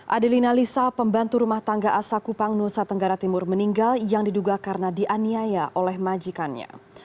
adelina lisa pembantu rumah tangga asal kupang nusa tenggara timur meninggal yang diduga karena dianiaya oleh majikannya